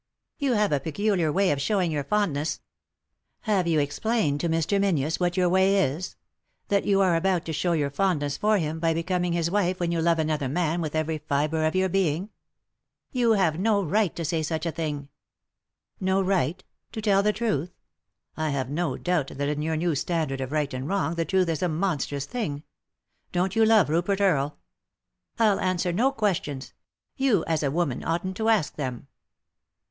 "You have a peculiar way of showing your fond ness 1" " Have you explained to Mr. Menzies what your way is ? That you are about to show your fondness 281 3i 9 iii^d by Google THE INTERRUPTED KISS for him 6y becoming his wife when you love another man with every fibre of your being ?" "You have no right to say such a thing." " No right T — to tell the truth ? I have no doubt that in your new standard of right and wrong the truth is a monstrous thing. Don't you love Rupert Earle ?"" I'll answer no questions ; you, as a woman, oughtn't to ask them."